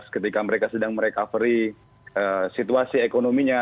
ketika mereka sedang merecovery situasi ekonominya